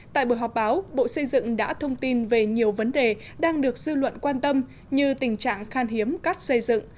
tại buổi họp báo bộ xây dựng đã thông tin về nhiều vấn đề đang được dư luận quan tâm như tình trạng khan hiếm cát xây dựng